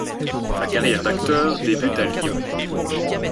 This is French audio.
Sa carrière d'acteur débute à Lyon.